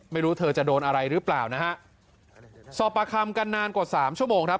ไม่รู้เธอจะโดนอะไรหรือเปล่านะฮะสอบประคำกันนานกว่าสามชั่วโมงครับ